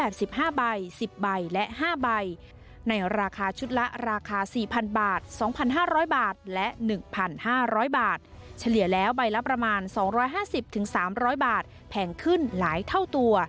เจาะประเด็นจากรายงานครับ